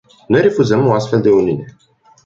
Noi refuzăm o astfel de uniune.